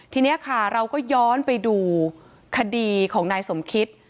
ทีนี้ค่ะเราก็ย้อนไปดูคดีของนายสมคิต